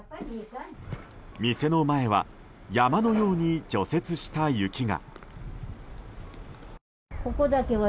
店の前は山のように除雪した雪が。